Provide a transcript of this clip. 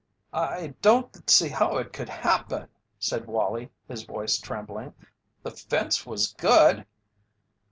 "I don't see how it could happen," said Wallie, his voice trembling. "The fence was good!"